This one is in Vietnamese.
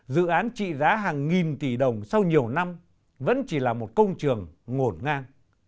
dự án trị giá hàng nghìn tỷ đồng sau nhiều năm vẫn chỉ là một công trường ngổn ngang